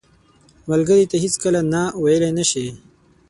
ملګری ته هیڅکله نه ویلې نه شي